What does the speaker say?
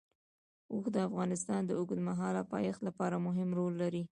اوښ د افغانستان د اوږدمهاله پایښت لپاره مهم رول لري.